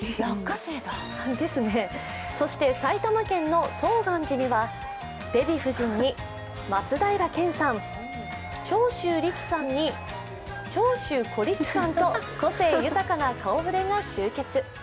そして埼玉県の總願寺にはデヴィ夫人に松平健さん、長州力さんに長州小力さんと個性豊かな顔ぶれが集結。